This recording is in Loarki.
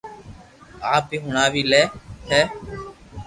آپ ھي ھڻاو وي لي ھي